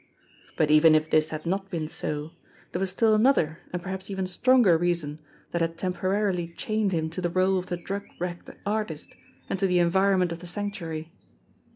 But even if this had not been so, there was still another and perhaps even stronger reason that had temporarily chained him to the role of the drug wrecked artist and to the environment of the Sanctuary.